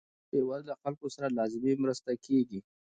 بې وزله خلکو سره لازمې مرستې کیږي.